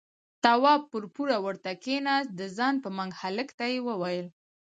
تواب پر پوله ورته کېناست، د ځان په منګ هلک ته يې وويل: